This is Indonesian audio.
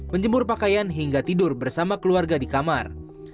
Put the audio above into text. menjemur pakaian hingga tidur bersama keluarga di kamar